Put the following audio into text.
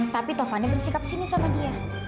tapi tovani bersikap sini sama dia